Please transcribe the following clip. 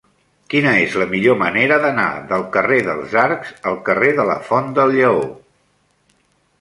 Quina és la millor manera d'anar del carrer dels Arcs al carrer de la Font del Lleó?